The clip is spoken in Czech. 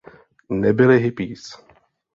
Nebyli hippies.